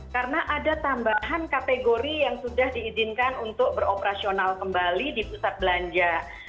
karena ada tambahan kategori yang sudah diizinkan untuk beroperasional kembali di pusat belanja